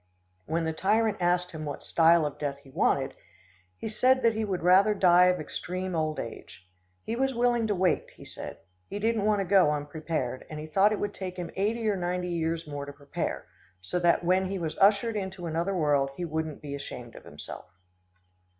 When the tyrant asked him what style of death he wanted, he said that he would rather die of extreme old age. He was willing to wait, he said. He didn't want to go unprepared, and he thought it would take him eighty or ninety years more to prepare, so that when he was ushered into another world he wouldn't be ashamed of himself.